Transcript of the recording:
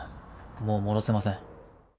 もう戻せません。